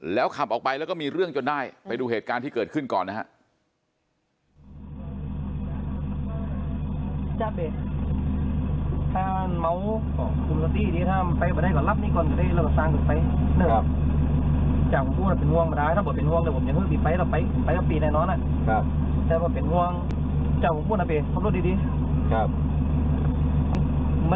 แล้วขับออกไปแล้วก็มีเรื่องจนได้ไปดูเหตุการณ์ที่เกิดขึ้นก่อนนะครับ